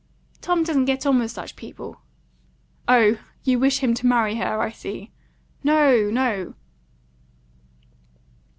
"Tom doesn't get on with such people." "Oh, you wish him to marry her, I see." "No, no."